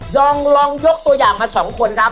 ดองรองยกตัวอย่างมาสองคนครับ